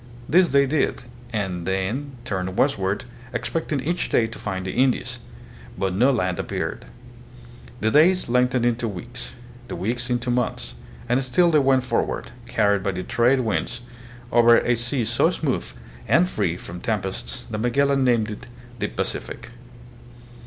This they did, and then turned westward, expecting each day to find the Indies; but no land ap peared. The days lengthened into weeks, the weeks into months, and still they went forward, carried by the trade winds over a sea so smooth and free from tempests that Magellan named it the "Pacific."